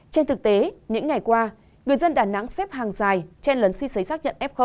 trên thực tế những ngày qua người dân đà nẵng xếp hàng dài trên lần suy sấy xác nhận f